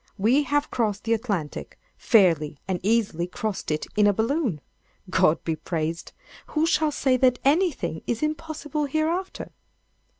We have crossed the Atlantic—fairly and easily crossed it in a balloon! God be praised! Who shall say that anything is impossible hereafter?"